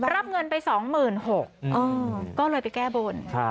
รับเงินไป๒๖๐๐ก็เลยไปแก้บน